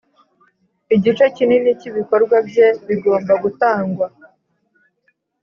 igice kinini cy ibikorwa bye bigomba gutangwa